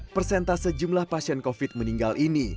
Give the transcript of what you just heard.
persentase jumlah pasien covid sembilan belas meninggal ini